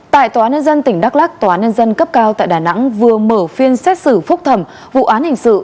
tại tòa nên dân tỉnh đắk lắc tòa nên dân cấp cao tại đà nẵng vừa mở phiên xét xử phúc thẩm vụ án hình sự